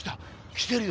来てるよ